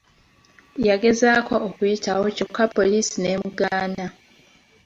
Yagezaako okuyitawo kyokka poliisi n’emugaana.